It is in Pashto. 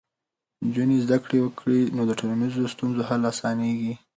نجونې زده کړه وکړي، نو د ټولنیزو ستونزو حل اسانېږي.